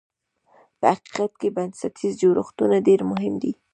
په حقیقت کې بنسټیز جوړښتونه ډېر مهم دي.